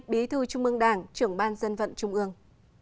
bí thư trung ương đảng trưởng ban dân vận trung ương